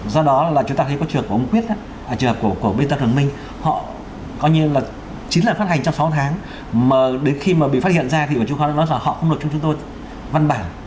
do đó là chúng ta thấy có trường hợp của ông quyết trường hợp của bên tập thường minh họ coi như là chín lần phát hành trong sáu tháng mà đến khi mà bị phát hiện ra thì ubnd nói là họ không nộp cho chúng tôi văn bản